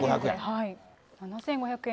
７５００円。